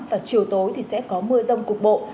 và chiều tối thì sẽ có mưa rông cục bộ